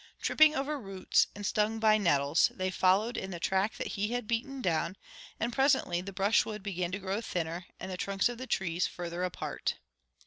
Tripping over roots, and stung by nettles, they followed in the track that he had beaten down; and presently the brushwood began to grow thinner and the trunks of the trees farther apart.